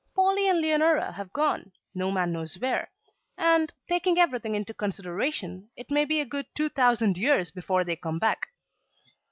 Polly and Leonora have gone, no man knows where, and, taking everything into consideration, it may be a good two thousand years before they come back.